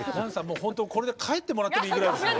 もうほんとこれで帰ってもらってもいいぐらいです。